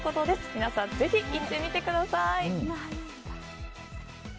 皆さん、ぜひ行ってみてください。